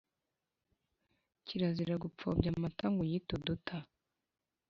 Kirazira gupfobya Amata ngo uyite Uduta